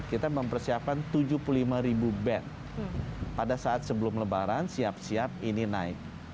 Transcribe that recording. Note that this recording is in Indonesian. kita mempersiapkan tujuh puluh lima ribu bed pada saat sebelum lebaran siap siap ini naik